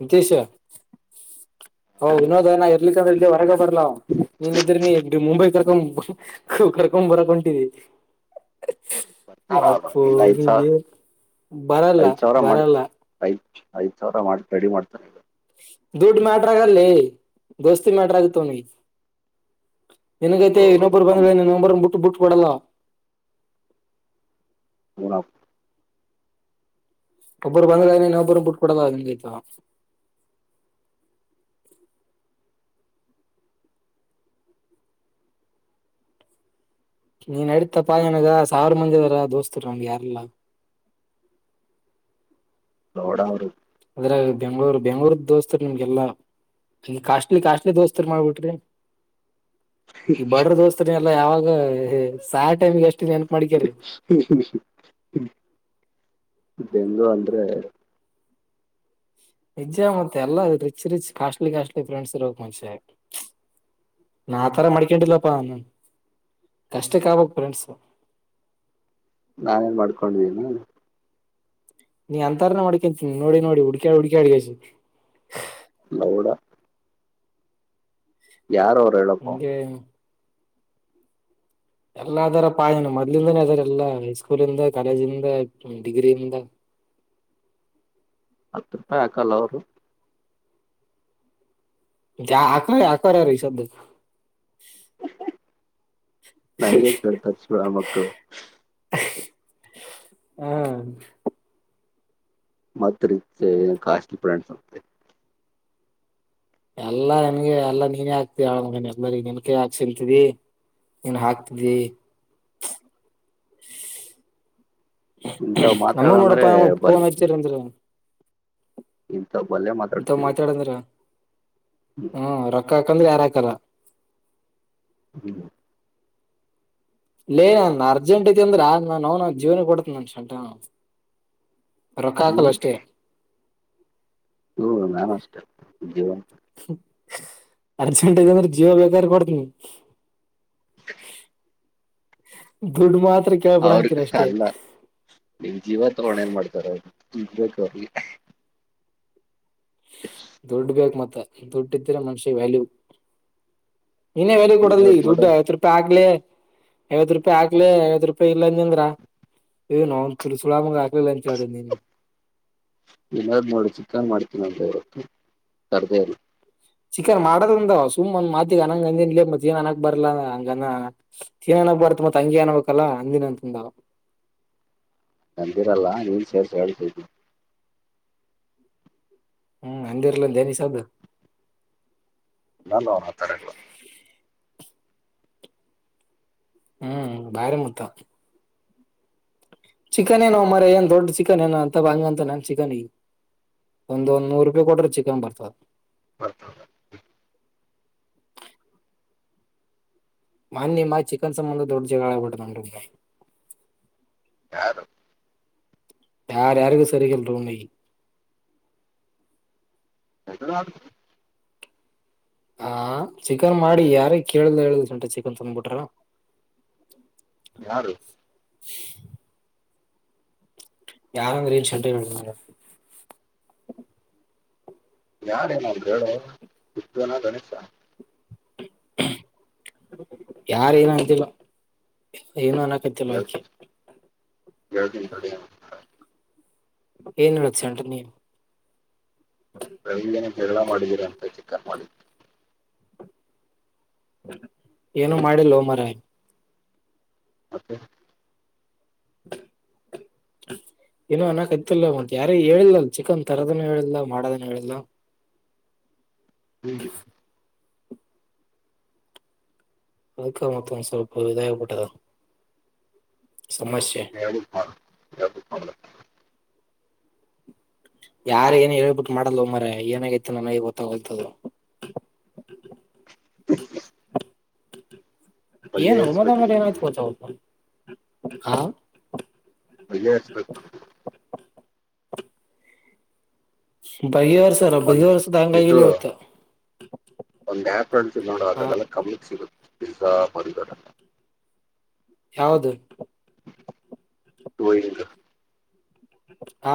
ನಿತೀಶ ವಿನೋದನ ಇರ್ಲಿಕ್ಕ ಹೊರಗ ಬ ಲ್ಲ ನೀನ್ಿದ್ರ ನೀ ಎ ಮುಂಬೈ ಕರ್ಕೊಂಡ್ ಕರ್ಕೊಂಡ್ ಬರಕ್ ಹೊಂಟರಿ ಬರ್ತಾರ ಅವ್ರು ಅಪ್ಪ ಇಲ್ಲ ಐದ್ ಸಾವಿರ ನಿಗೆ ಬರಲ್ಲ ಐದ್ ಸಾವಿರ ಮಾಡಿ ಬರಲ್ಲ ಐದ್ ಐದ್ ಸಾವಿರ ಮಾಡಿ ರೆಡಿ ಮಾಡ್ತಾನ ಈಗ ದುಡ್ಡು ಮ್ಯಾಟ್ರ ಆಗಲ್ಲಿ ದೋಸ್ತಿ ಮ್ಯಾಟ್ರ ಆಗತ್ನಿ ಎಕ್ಕೆೈತೆ ಇನ್ನೊಬ್ಬರು ನಮ್ ಬಂದ ಇನ್ನೊಬರ ಬಿಟ್ಟ ಬಿಟ್ಟ ಪಡಲ್ಲ ಹ ಅಬರ ಬಂದಲನ ಅಬರ ಬಿಟ್ಕೊಡದಂಗೈತ ನೀನ್ ನಡತ ಪಾಯನಾಗ ಸಾವಿರ ಮಂದಿ ಇದಿದಾರ ದೋಸ್ತರು ನನ್್ಗೆ ಯಾರಲ್ಲ ಹ ನೋಡ ಅವರು ಅದ್ರ ಬೆಂಗ್ಳೂರು ಬೆಂಗಳೂರ್ ದೋಸ್ತರು ನಿಮ್ಗೆಲ್ಲಾ ಈ ಕಾಸ್ಟ್ಲಿ ಕಾಸ್ಟ್ಲಿ ದೋಸ್ತರ್ ಮಾಡ್ಬಿಟ್ರಿ ಈ ಬಡ್ರ ದೋಸ್ತಾನ ಎಲ್ಲ ಯಾವಾಗ ಹ ಸಾಯಾ ಟೈಮಿಗೆ ಅಷ್ಟೇ ನೆನಪ ಮಾಡಿಕ್ಯ್ರೀ ಇಂದು ಅಂದ್ರೆ ನಿಜ ಮತ್ತೆ ಎಲ್ಲ rich rich costly costly friends ಇರೋಕ್ ಮುಂಚೆ ನಾ ಆ ತರ ಮಾಡಡಕೊಂಡಿಲ್ಲಪ್ಪ ಅವನ್ ಕಷ್ಟಕ್ಕಾವಕ್ ಪ್ರೆಂಡಸು ನಾೇನ್ ಮಾಡ್ಕೊಂಡಿದ್ದೀನ ನೀ ಅಂತಾರನೆ ಮಾಡಕಂತೀನಿ ನೋಡಿ ನೋಡಿ ಹುಡ್ಕ್ಯಾ ಹುಡ್ಕ್ಯಾ ಅಡ್ಗ ಹೌಡ ಯಾರು ಇಳಪ ಹಂಗೆ ಎಲ್ಲದರ ಪಾಯನ ಮೊದ್ಲಿಂದಾನೇ ಅದಾರೆ ಎಲ್ಲಾ ಸ್ಕೂಲಿಂದ ಕಾಲೇಜಿಂದ ಡಿಗ್ರಿಯಿಂದ [inaudible] ಹತ್ತು ರೂಪಾಯಿ ಹಾಕಲ್ಲ ಅವರು ಆಕ ಆಕಾರ ರ ಈ ಶಬ್ದ ನನಗೆ ಕೇಳ್ತದ ಸ ಮಕ್ಕಳು ಹ್ಮ ಮತ್ ರೀತಿ ಕಾಸ್ಟ್ಲಿ ಪಡಸ ಎಲ್ಲಾ ನನ್ಗೆ ಎಲ್ಲಾ ನೀನೇ ಹಾಕ್ತ ಅವಗ ಎಲ್ರಿ ನನ್ಕ ಹಾಕ್ಸಲ್ತಿದಿ ಏನ್ ಹಾಕ್ತಿದಿ ಇಂಥ ಮಾತಾಡಂದ್ರೆ ನಮ್ಮನ್ನೋಡಪ್ಪ ಪತ ಅಂದ ಇಂತಬ್ಬಲ್ಲೇ ಇಂತವ್ ಮಾತಾಡ್ತೀನಿ ಮಾತಾಡಂದ್ರ ಹ್ಮ್ ಹ್ಮ ರೊಕ್ಕ ಹಾಕಂದ್ರೆ ಯಾರ ಹಕಲ್ಲ ಹ್ಮ ಇೇ ನ ಅರ್ಜೆಂಟ್ ಐತಿ ಅಂದ್ರೆ ಆ ನಾನನ್ ಜೀವನ ಕೊಡತ ನನ್ ಶಂಟ ರೊಕ್ಕ ಹಾಕಲ್ಲ ಅಷ್ಟೇ ಹ್ಮ ನಾನು ಅಷ್ಟ ಅರ್ಜೆಂಟಂದ್ರ ಜೀವ ಬೇಕಾರ್ ಕೊಡ್ತನಿ ಗುಡ್ಮತ್ ಅವ್ರ ಅಲ್ಲ ನಿನ್ ಜೀವ ತಗೋೊಂಡ ಏನ್ ಮಾಡ್ತಾರ ಅವರು ಇ ಬ ಅವಿಗೆ ದುಡ್ ಇದ್ದ್ರೆ ಮನುಷ್ಯ ವ್ಯಾಲ್ಯೂ ಇನೇ ವ್ಯಾಲ್ಯೂ ಏನೋ ಕೊಡಲ್ಲಿ ನೋಡು ದುಡ್ಡು ಐವತ್ತು ರೂಪಾಯಿ ಆಗ್ಲೆ ಐವತ್ ರೂಪಾಯಿ ಹಾಕ್ಲಿ ಐವತ್ ರೂಪಾಯಿ ಇಲ್ಲ ಅಂದಂದ್ರ ಏ ನನ್ ತು ಸುಲಾಮ ಆಾಕ್ ನದ್ ಮಾಡ ಚಕ್ಕನ್ ಮಾಡ [unintelligible] ಹ ಸರ್ದೇಲ್ಲ ಚಿಕನ್ ಮಾಡದ ಅಂದ ಸು್ ಒ್ ಮಾತಿಗ್ ಅನಂಗ ಅಂದನ್ೇ ಮಏನ್ ಅನಕ್ ಬರ್ಲ ಹಂಗ ಗ್ಬಾರತ ಮತ್ತ ಅಂಗಗೆ ಅನ್ಬೇಕಕ್ಲ್ಲ ಅಂದಿನಂತಂದ ನಂದಿರಲ್ಲ ನೀನ್ ಸೇರ್ಸ ಹೇಳಿ ಹ್ಮ್ ಅಂದಿರ್ಲ್ಲ ದನಿಸ ಅದು ನ ನಣ ತರ ಹ್ಮ್ ಭಾರಿ ಮತ್ತ ಚಿಕನ್ ಏನೋ ಮರ ಏನ್ ದೊಡ್ ಚಿಕನ್ ಏನ ಅಂತ ಬಂಗ ಅಂತ ನಾನ್ ಚಿಕನ್ ಒಂದ ಒ ನೂರು ರೂಪಾಯಿ ಕೊಟ್ರೆ ಚಿಕನ್ ಬರ್ತದ ಮತ ಮಾನ್ಯಮ್ಮ ಚಿಕನ್ ಸಂಬಂಧ ದೊಡ್ಡ ಜಗಳಬಟ್ಟ ನಂಟ ಯಾರು ಯಾರ ಯಾರಗ ಸರಿ ಕೆಲ್ರುಂಗ ಎ ಹಾ ಚಿಕನ್ ಮಾಡಿ ಯಾರ ಕೇಳ್ದ ಹೇಳ್ದಂಟ ಚಿಕನ್ ತಂದಬಿಟ್ರ ಯಾರು [inaudible] ಯಾರುಂದ್ರ ಶಟ ಯಾರೇನಾರರು ಹೇಳ ಸ್ದನ ಗಣೇಶ ಯಾರ ಏನ ಅಂತಿಲ್ಲ ಐನ ಅನ್ನ ಕತ್ತಲ್ಲ ಅದ ಕೇಳ್ತೀನಿ ತಡಿ ಏನ್ ಹೇಳಸಂಟ್ರ ನೀನ್ ಬೆಲ್ಲಿಗೆ ನಿ ಹಳ ಮಾಡಿದ್ದೀರ ಅಂತ ಚಿಕ್ಕನ್ ಮಾಡಿ ಏನು ಮಾಡಿ ಲೋಮರಾಯ ಹತ್ತೆ [inaudible] ಏನೋ ಅನ್ನ ಕತಿಲ್ಲಂಟ ಯಾರೇ ಹೇಳಿಲ್ಲಲ್ ಚಿಕನ್ ತರೋದನ ಹೇಳಿಲ್ಲ ಮಾಡದನ ಹೇಳಿಲ್ಲ [inaudible] ಹು ಅದಕ್ಕ ಮತ್ತೊಂದು ಸ್ವಲ್ಪ ವಿದಾಯ ಪಟ್ಟದ ಸಮಸ್ಯೆ ಹ ಯಾರ ಏನ್ ಹೇಳ್ಬಿಟ್ಟು ಮಾಡಲ್ವ ಮರ ಏನಾಗೈತಿ ನನಗೆ ಗೊತ್ತಾಗತದು [inaudible] ಏನ ಹಮ್ಮದ ಬಗೆಹರಿಸ್ಬೇಕು ಮಾಡನ ನಾನು ಪಚಾವ ಹಾ ಬಗೆಹರಿಸ್ಬೇಕು ನಾನು. ಬಹ ವರ್ ಸರ ಬಹ ವರ್ಷ ದಂಗ ಇಲ್ಲ ಹೊತ ಒಂದು ಆಪ್ರಂಡ ತಿ ನೋಡು ಹಾ ಅದಡೆಲ್ಲ ಕಮ್ಮಕ್ ಸಿಗುತ್ತೆ ಪಿಜಝಾ ಮರಿದೋಡೆಲ್ಲ ಯಾವದು ದು ಹಾ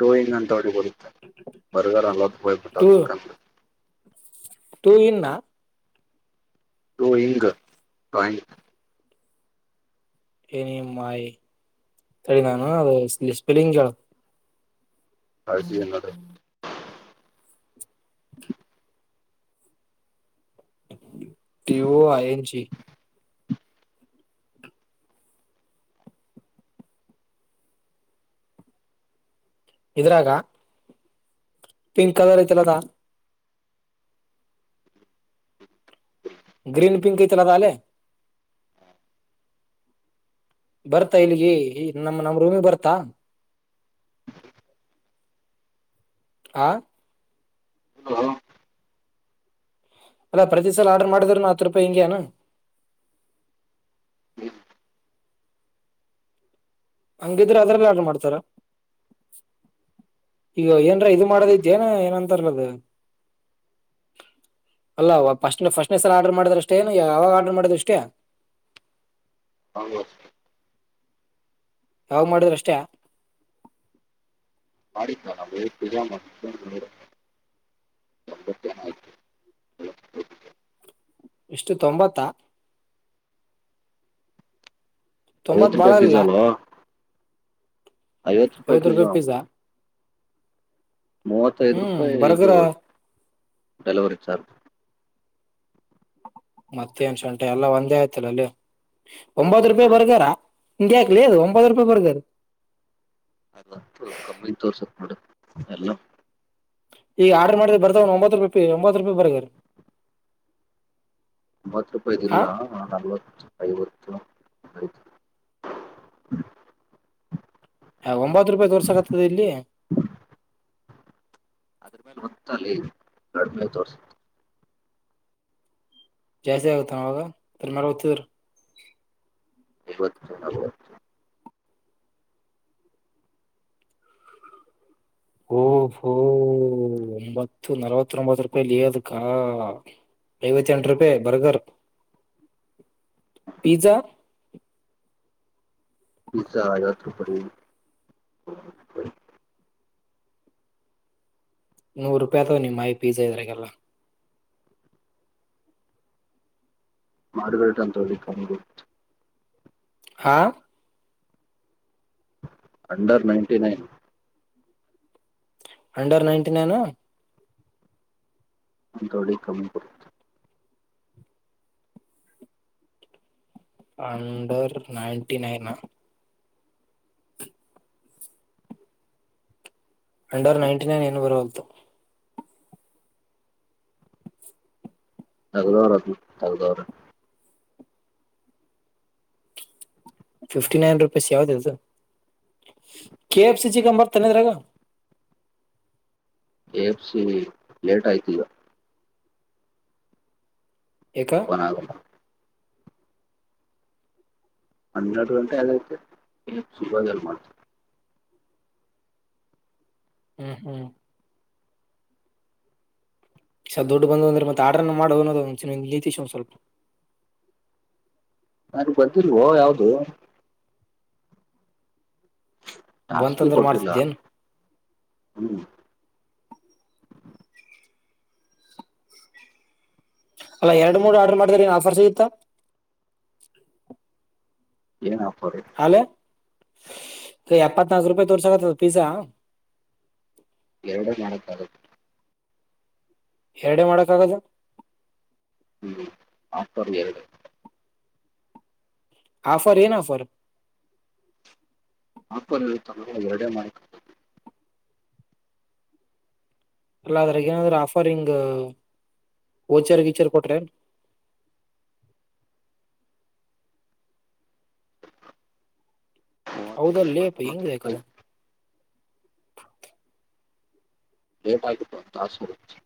ರೋಯಿಂಗ್ ಅಂತ ಹೊಡಿ ಬರುತ್ತೆ ಬರ್ಗರ್ ಅಲ್ಲ [unintelligible] ಹೋಗ್ಬಿಟ್ಟ ಚಿಕನ್ [unintelligible] [unintelligible] ತೂ ಇನ್ನ ಟೂಯಿಂಗ್ [unintelligible] ಏನ ಮಾಯಿ ತಳ [unintelligible] ನಾನು ಅದು ಸ್ಪಿಲಿಂಗ್ ಕ [unintelligible] [inaudible] ಆಳಜನ್ನೋಡ T O I H E ಇದ್ರಾಗ ಪಿಂಕ್ ಕಲರ್ ಐತಲ್ಲ ಅದ ಗ್ರೀನ್ ಪಿಂಕ್ ಆಯ್ತಾ ಅಲ್ಲ [unintelligible] ಅಲೆ [unintelligible] ಬರ್ತಾ ಇಲ್ಲಿಗೆ ನಮ್ಮ [unintelligible] ನಮ್ ರೂಮಿಗೆ ಬರ್ತಾ ಆ ಅಲ್ಲಾ ಪ್ರತಿ ಸಲ ಆರ್ಡರ್ ಮಾಡಿದ್ರನು ಹತ್ ರೂಪಾಯಿ ಹೆಂಗ ಅನ [unintelligible] ಹಂಗಿದ್ರೆ ಅದ್ರಲೇ ಆರ್ಡರ್ ಮಾಡ್ತಾರ ಈಗ ಏನ್ರ ಇದು ಮಾಡದ ಇದ್ದೇಏನ ಏನಂತಾರಲದು ಅಲ್ಲ ಫಸ್ಟ್ ಫಸ್ಟ್ನ ಸರ್ ಆರ್ಡರ್ ಮಾಡಿದ್ ಅಷ್ಟೇನು ಯಾವಾಗ ಆರ್ಡರ್ ಮಾಡಿದ್ ಅಷ್ಟೇ [inaudible] ಹ [unintelligible] ಯಾವ ಮಾಡುದ್ರಷ್ಟೆ ಆಡಿ ಪಜ [unintelligible] [inaudible] ಇಷ್ಟು ತೊಂಬತ್ತ ತೊಂಬತ್ ಐವತ್ತು ಬಾಳ ರೂಪಾಯಿ ಇಲ್ಲ ಪಿಜಾಲ್ವಾ ಐವತ್ತು ರೂಪಾಯಿ ಐವತ್ ಪಿಜಾ ಪಿಜ್ಜಾ ಮೂವತ್ತೈದು ಹ್ಮ್ ರೂಪಾಯಿ ಇದು ಬರ್ಗರ ಡೆಲಿವರಿ ಚಾರ್ಜ್ ಮತ್ತೇನ್ ಸುಂಟ ಎಲ್ಲಾ ಒಂದೇ ಆಯ್ತಿಲ್ಲ ಅಲ್ಲಿ ಒಂಬತ್ತು ರೂಪಾಯಿ ಬರ್ಗಾರ ಇಂಡಗೆಕ್ಲಿ ಅದು ಒಂಬತ್ತು ರೂಪಾಯಿ ಬರ್ಗಾರ್ [unintelligible] ಅಲ್ಲ ಕಮ್ಮಿ ತೋರ್ಸಕ್ ನಡ ಎಲ್ಲ ಈಗ ಆರ್ಡರ್ ಮಾಡ್ರ ಬರ್ದ ಒನ್ ಒಂಬತ್ತು ರೂಪಾಯಿ ಒಂಬತ್ತು ರೂಪಾಯಿ ಬರ್ಗರರ್ ಒಂಬತ್ತು ರೂಪಾಯಿದು ಇಲ್ಲ ನಲ್ವತ್ತು ಐವತ್ತು [inaudible] ಒಂಬತ್ ರೂಪಾಯಿ ತೋರ್ಸಕತ್ತದ ಇಲ್ಲಿ ಅದ್ರ ಮೇಲೆ ಹೊತ್ತ ಲೇ ಕಡಿಮೆ ತೋರಿಸುತ್ತೆ ಜಾಸ್ತಿ ಆಗತ್ತ ನ [unintelligible] [inaudible] ಐವತ್ತು ನಲವತ್ತು ಹ್ಮ ಹು ಒಂಬತ್ತು ನಲವತ್ತುಒಂಬತ್ತು ರೂಪಾಯಿ ಲಿಯದುಕ್ಕಾ ಐವತ್ತೆಂಟ ರೂಪಾಯಿ ಬರ್ಗರ್ [inaudible] ಪೀಜಾ ಪೀಜಾ ಐವತ್ತು ರೂಪಾಯಿ [unintelligible] ನೂರು ರೂಪಾಯಿ ಅಥವಾ ನಿಮ್ಮ [unintelligible] ಪೀಜಾ ಇದ್ರಾಗಲ್ಲ [unintelligible] [inaudible] ಹಾ under ninety nine under ninety nine ಅಂತ ವಡಿ ಕಮ್ಮಿ ಕೊಡುತೇ [unintelligible] under ninety nine under ninety nine ಏನು ಬರತು [inaudible] ತಗದವರ [unintelligible] ತಗದವರ [unintelligible] ಫಿಫ್ಟಿ ನೈನ್ ರುಪೀಸ್ ಯಾವ್ದ [unintelligible] K F C ಸಿಕಂಬರ್ತನ್ನ [unintelligible] K F C ಲಿ ಲೇಟ್ ಆಯ್ತ ಈಗ ಯಾಕ ಓಪನ್ ಆಗಲ್ಲ ಹನ್ನೆರಡು ಗಂಟೆ ಆಗೈತೆ ಕೆ ಎಫ್ ಸಿ ಇವಾಗೆಲ್ಲ್ ಮಾಡ್ತಾರೆ ಹ್ಮ್ ಹ್ಮ್ ಸಾ ದುಡ್ಡ್ ಬಂದಂದ್ರ ಮತ್ತೆ ಆಡ್ರನ್ನ ಮಾಡು ಅನ್ನೋದು ಒಂದ [unintelligible] ಒಂದ್ ಸ್ವಲ್ಪ [inaudible] ನನಗ್ ಬಂದಿಲ್ವೋ ಯಾವ್ದು ಟಾಸ್ಕು ಬಂತಂದ್ರೆ ಕೊಟ್ಟಿಲ್ಲ ಮಾಡ್ತಿದ್ದೇನ್ ಹ್ಮ್ ಅಲ್ಲ ಎರಡು ಮೂರು ಆರ್ಡರ್ ಮಾಡಿದ್ರ ಏನ್ ಆಫರ್ ಸಿಗತ್ತಾ ಏನ್ ಆಫರು ಏ ಎಪ್ಪತ್ತ್ನಾಕ್ ರೂಪಾಯಿ ತೋರ್ಸಕತ್ತದ ಪಿಜ್ಜಾ ಎರಡೇ ಮಾಡಕ್ಕಾಗದು ಎರಡೆ ಮಾಡಕ್ಕಾಗದು ಹ್ಮ ಅಂಥವರಿಗೆ ಎರಡೇ ಆಫರ್ ಏನ ಆಫರ್ ಆಫರ್ ಇರುತ್ತಲ್ಲ ಎರಡೇ ಮಾಡಕ್ಕಾಗದು ಅಲ್ಲ ಅದ್ರಾಗ ಏನಾದ್ರ ಆಫರ್ ಹಿಂಗ ವೋಚರ್ ಗೀಚರ್ ಕೊಟ್ರೆನ್ [inaudible] ಮೂವತ್ತೈದು ಹೌದಲ್ಲೇ ರೂಪಾಯಿ ಅಪ್ಪ ಹೆಂಗ ನಲ್ವತ್ತು ರೇಕದ ರೂಪಾಯಿ ಲೇಟ್ ಆಯ್ತಪ್ಪ ಟಾಸ್ಕ್ [unintelligible]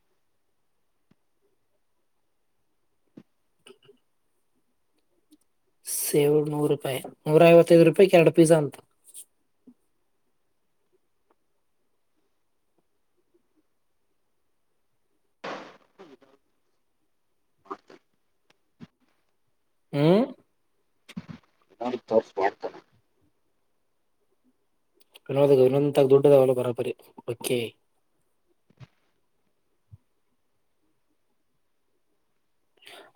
ಸೇವುಡ್ ನೂರು ರೂಪಾಯಿ ನೂರ ಐವತ್ತೈದು ರೂಪಾಯಿಗ್ ಎರಡು ಪಿಜಾ ಅಂತ ಹ್ಮ ಅರ್ದ್ ತಾಸ್ ಮಾಡ್ತೆನ ವಿನೋದಗ್ ವಿನಂತಾಗ ದುಡ್ಡದಾವಲ್ಲ ಬರಬರಿ ಓಕೆ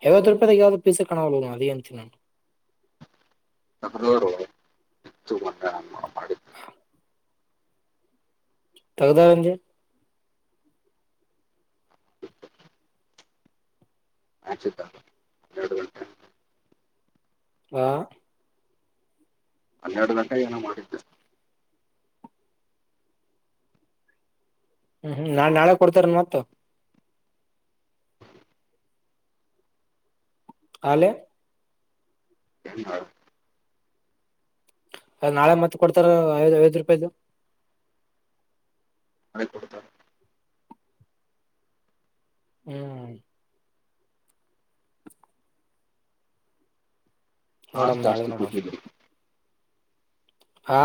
ಐವತ್ತು ರೂಪಾಯಿದಾಗ ಯಾವ್ದ್ ಪೀಸೆ ಕಾಣಾವಲ್ಲ ಅದೇಂತೀ ನಾನು ತಕ್ರೋಡು ತಗದಾಂಗೆ ಅಚ್ಯುತಾ ಹಾ ಹನ್ನೆರಡು ಗಂಟೆಗೆ ಏನೋ ಮಾಡಿದ್ದೆ ಹ್ಮ್ ಹ್ಮ್ ನಾನ್ ನಾಳೆ ಕೊಡ್ತಾರನ್ ಮತ್ತ ಅಲೆೇ ಏನ್ ಮಾಡ ಅ ನಾಳೆ ಮತ್ತ್ ಕೊಡ್ತಾರ ಐದ್ ಐವತ್ತ್ ರೂಪಾಯ್ದು ಕೊಡ್ತಾರೆ ಹ್ಮ ಹಾಸ್ ನೋಡಮ್ ನಾಳೆ ಜಾಸ್ತಿ ನೋಡಮ್ ಕೂಟ್ಟಿದ್ರಿ ಹಾ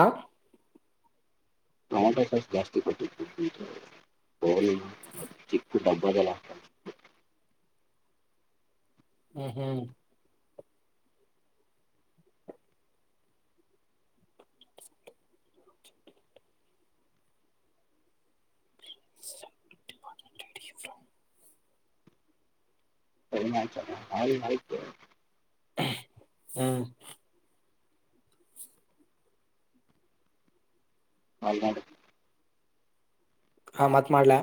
ಟಮೋಟೋ ಸಾಸ್ ಜಾಸ್ತಿ ಕೊಟ್ಟಿದ್ರಿ ಪಿಜ್ಜಾ [unintelligible] ಚಿಕ್ಕ್ ಡಬ್ಬದಲ್ಲಾಕ್ ಕಳ್ಸ್ಬಿಡು ಹ್ಮ ಹ್ಮ್ [inaudible] ಟೈಮ್ ಆಯ್ತಲ್ಲ [unintelligible] ಆಯ್ತು ಹ್ಮ ಅಲ್ನೋಡು ಹಾ ಮತ್ ಮಾಡ್ಲ